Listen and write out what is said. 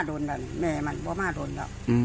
ตคงชอยให้หนง